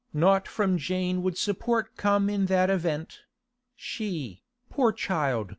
Not from Jane would support come in that event; she, poor child!